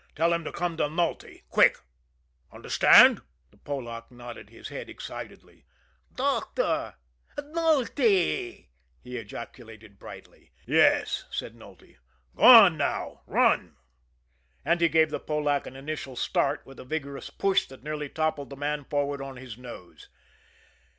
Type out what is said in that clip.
Tell him to come to Nulty quick. Understand?" The Polack nodded his head excitedly. "Doctor Nultee," he ejaculated brightly. "Yes," said Nulty. "Go on, now run!" And he gave the Polack an initial start with a vigorous push that nearly toppled the man forward on his nose.